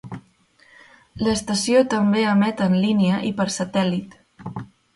L'estació també emet en línia i per satèl·lit.